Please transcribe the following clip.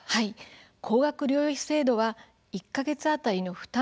高額療養費制度は１か月当たりの負担